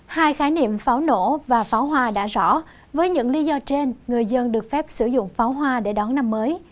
hai khái niệm pháo nổ và pháo hoa đã rõ với những lý do trên người dân được phép sử dụng pháo hoa để đón năm mới